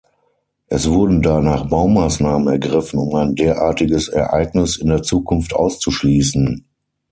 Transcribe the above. Es wurden danach Baumaßnahmen ergriffen um ein derartiges Ereignis in der Zukunft auszuschließen.